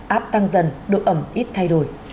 áp tăng dần độ ẩm ít thay đổi